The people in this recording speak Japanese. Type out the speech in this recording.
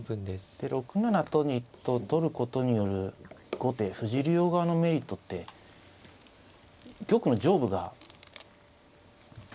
で６七とと取ることによる後手藤井竜王側のメリットって玉の上部が安全になったってことですね。